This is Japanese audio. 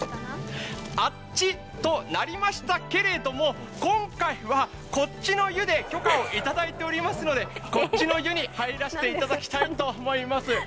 あっちとなりましたけれども今回は、こっちの湯で許可をいただいていますのでこっちの湯に入らせていただきたいと思います。